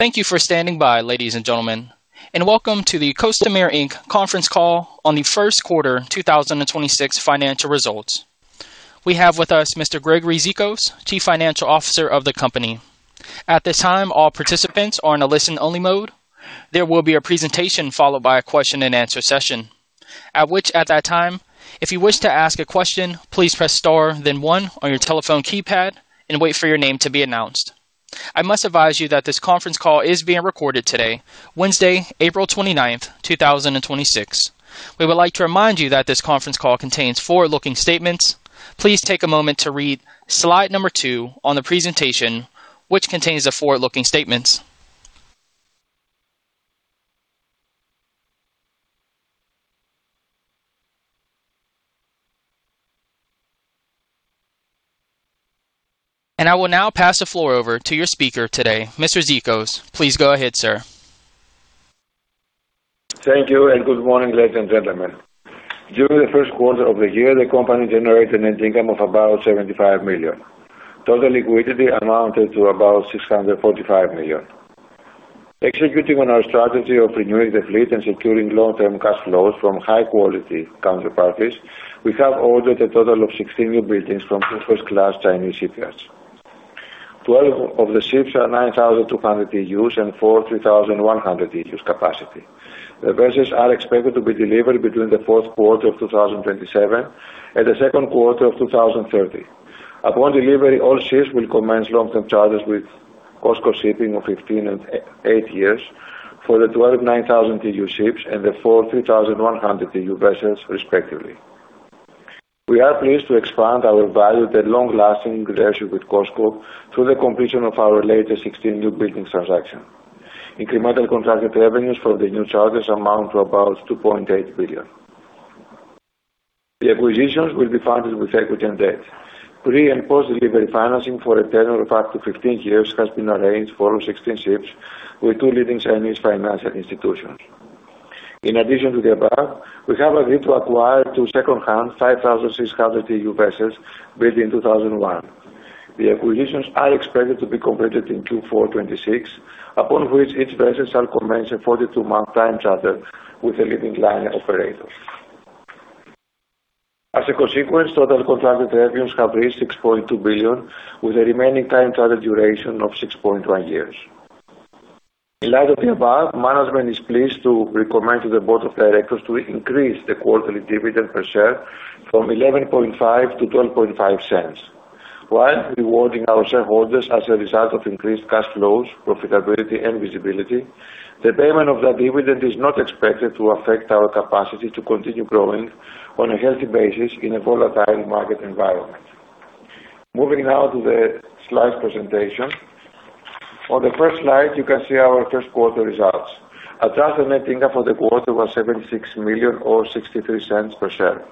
Thank you for standing by, ladies and gentlemen, welcome to the Costamare Inc. conference call on the first quarter 2026 financial results. We have with us Mr. Gregory Zikos, Chief Financial Officer of the company. At this time, all participants are in a listen-only mode. There will be a presentation followed by a question-and-answer session. At that time, if you wish to ask a question, please press star then one on your telephone keypad and wait for your name to be announced. I must advise you that this conference call is being recorded today, Wednesday, April 29th, 2026. We would like to remind you that this conference call contains forward-looking statements. Please take a moment to read slide number two on the presentation which contains the forward-looking statements. I will now pass the floor over to your speaker today, Mr. Zikos. Please go ahead, sir. Thank you, and good morning, ladies and gentlemen. During the first quarter of the year, the company generated net income of about $75 million. Total liquidity amounted to about $645 million. Executing on our strategy of renewing the fleet and securing long-term cash flows from high-quality counterparties. We have ordered a total of 16 new buildings from first-class Chinese shipyards. 12 of the ships are 9,200 TEUs and 4 x 3,100 TEUs capacity. The vessels are expected to be delivered between the fourth quarter of 2027 and the second quarter of 2030. Upon delivery, all ships will commence long-term charters with COSCO Shipping of 15 years and 8 years for the 12 x 9,000 TEU ships and the 4 x 3,100 TEU vessels respectively. We are pleased to expand our valued and long-lasting relationship with COSCO through the completion of our latest 16 new buildings transaction. Incremental contracted revenues for the new charters amount to about $2.8 billion. The acquisitions will be funded with equity and debt. Pre- and post-delivery financing for a tenure of up to 15 years has been arranged for all 16 ships with two leading Chinese financial institutions. In addition to the above, we have agreed to acquire two secondhand 5,600 TEU vessels built in 2001. The acquisitions are expected to be completed in Q4 2026, upon which each vessels shall commence a 42-month time charter with a leading liner operator. As a consequence, total contracted revenues have reached $6.2 billion, with the remaining time charter duration of 6.1 years. In light of the above, management is pleased to recommend to the Board of Directors to increase the quarterly dividend per share from $0.115-$0.125. While rewarding our shareholders as a result of increased cash flows, profitability, and visibility, the payment of that dividend is not expected to affect our capacity to continue growing on a healthy basis in a volatile market environment. Moving now to the slide presentation. On the first slide, you can see our first quarter results. Adjusted net income for the quarter was $76 million or $0.63 per share.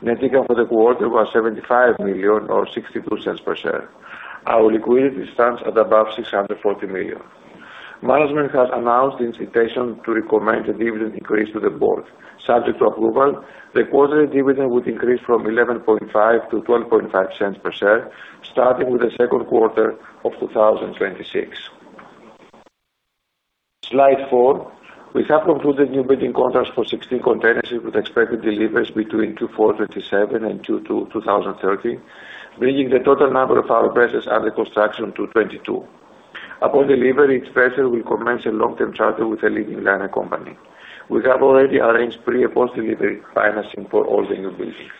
Net income for the quarter was $75 million or $0.62 per share. Our liquidity stands at above $640 million. Management has announced the intention to recommend a dividend increase to the Board. Subject to approval, the quarterly dividend would increase from $0.115-$0.125 per share, starting with Q2 2026. Slide four. We have concluded new building contracts for 16 container ships with expected deliveries between Q4 2027 and Q2 2030, bringing the total number of our vessels under construction to 22. Upon delivery, each vessel will commence a long-term charter with a leading liner company. We have already arranged pre- and post-delivery financing for all the new buildings.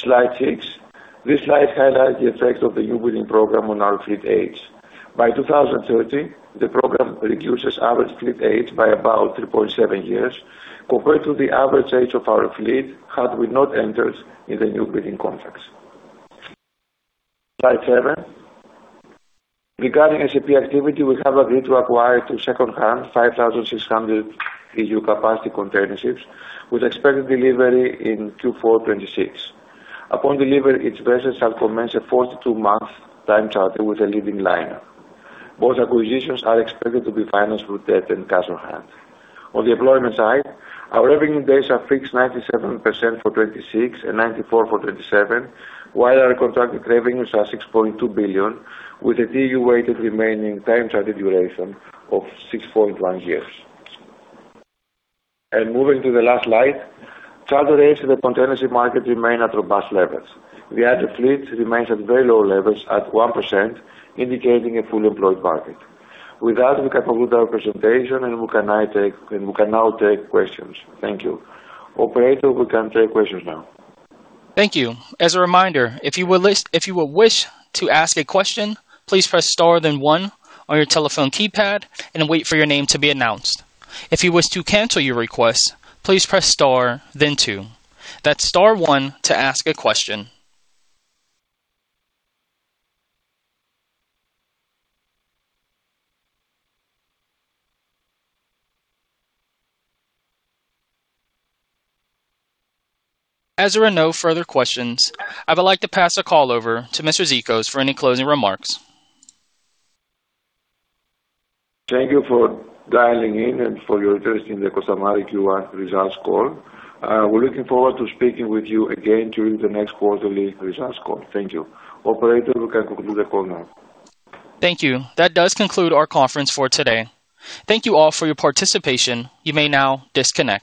Slide five. Here we show our new building program. In total, we now have 22 vessels under construction, increasing the weighted average duration of our chartered book by about two years. All our new buildings have long-term employment and signed pre- and post-delivery financing already in place. Slide six. This slide highlights the effect of the new building program on our fleet age. By 2030, the program reduces average fleet age by about 3.7 years compared to the average age of our fleet had we not entered into the new building contracts. Slide seven. Regarding S&P activity, we have agreed to acquire two secondhand 5,600 TEU capacity container ships with expected delivery in Q4 2026. Upon delivery, each vessels shall commence a 42-month time charter with a leading liner. Both acquisitions are expected to be financed with debt and cash on hand. On the employment side, our revenue days are fixed 97% for 2026 and 94% for 2027, while our contracted revenues are $6.2 billion, with a TEU weighted remaining time charter duration of 6.1 years. Moving to the last slide, charter rates in the container shipping market remain at robust levels. The idled fleet remains at very low levels at 1%, indicating a fully employed market. With that, we conclude our presentation, and we can now take questions. Thank you. Operator, we can take questions now. Thank you. As a reminder, if you would wish to ask a question, please press star then one on your telephone keypad and wait for your name to be announced. If you wish to cancel your request, please press star then two. That's star one to ask a question. As there are no further questions, I would like to pass the call over to Mr. Zikos for any closing remarks. Thank you for dialing in and for your interest in the Costamare Q1 results call. We're looking forward to speaking with you again during the next quarterly results call. Thank you. Operator, we can conclude the call now. Thank you. That does conclude our conference for today. Thank you all for your participation. You may now disconnect.